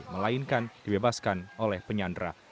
melainkan dibebaskan oleh penyandra